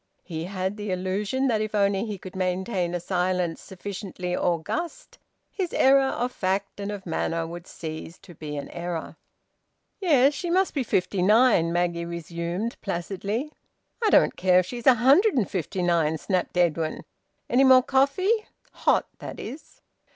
He had the illusion that if only he could maintain a silence sufficiently august his error of fact and of manner would cease to be an error. "Yes; she must be fifty nine," Maggie resumed placidly. "I don't care if she's a hundred and fifty nine!" snapped Edwin. "Any more coffee? Hot, that is."